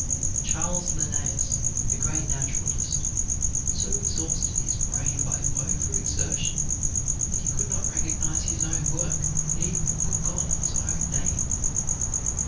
Charles Linnaeus, the great naturalist, so exhausted his brain by over exertion that he could not recognize his own work, and even forgot his own name.